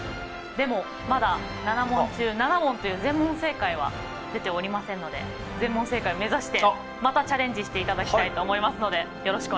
でもまだ７問中７問という全問正解は出ておりませんので全問正解を目指してまたチャレンジしていただきたいと思いますのでよろしくお願いします。